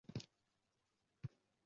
O’gay onam zulmidan